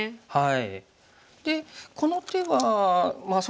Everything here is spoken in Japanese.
はい。